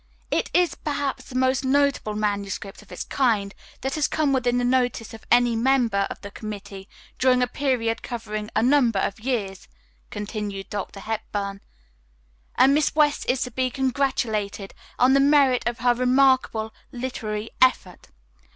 It is, perhaps, the most notable manuscript of its kind that has come within the notice of any member of the committee during a period covering a number of years," continued Dr. Hepburn, "and Miss West is to be congratulated on the merit of her remarkable literary effort.